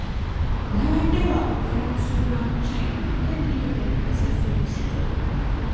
Nabadde waakugenda kusuubula mu China naye ebiriyo byannemesezza okusitula.